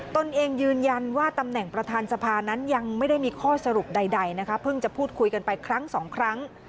ตนเองยืนยันว่าตำแหน่งประธานสภานั้นยังไม่ได้มีข้อสรุปใดนะคะเพิ่งจะพูดคุยกันไปครั้งสองครั้ง